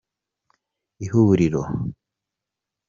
ihuriro